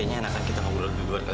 ini artinya arwahnya wollte darumin